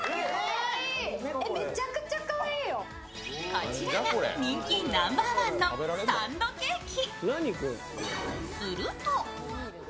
こちらが人気ナンバーワンのサンドケーキ。